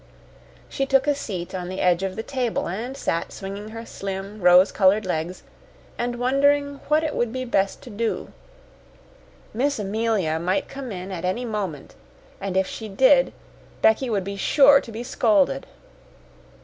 She took a seat on the edge of the table, and sat swinging her slim, rose colored legs, and wondering what it would be best to do. Miss Amelia might come in at any moment, and if she did, Becky would be sure to be scolded.